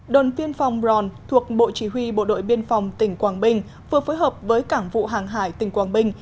đồn biên phòng ròn thuộc bộ chỉ huy bộ đội biên phòng tỉnh quảng bình vừa phối hợp với cảng vụ hàng hải tỉnh quảng bình